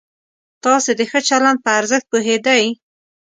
تاسې د ښه چلند په ارزښت پوهېدئ؟